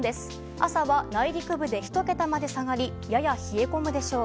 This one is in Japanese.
朝は内陸部で１桁まで下がりやや冷え込むでしょう。